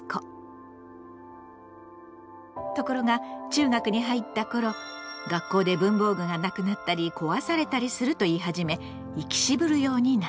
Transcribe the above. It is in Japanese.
ところが中学に入った頃学校で文房具がなくなったり壊されたりすると言い始め行き渋るようになった。